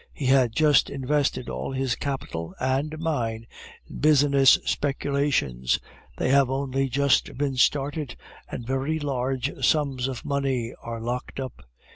He had just invested all his capital and mine in business speculations; they have only just been started, and very large sums of money are locked up.